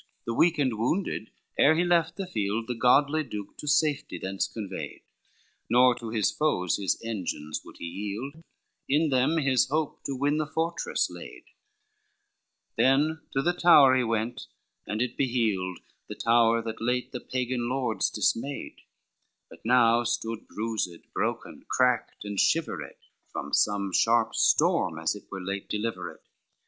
LXXXIII The weak and wounded ere he left the field, The godly duke to safety thence conveyed, Nor to his foes his engines would he yield, In them his hope to win the fortress laid; Then to the tower he went, and it beheeld, The tower that late the Pagan lords dismayed But now stood bruised, broken, cracked and shivered, From some sharp storm as it were late delivered.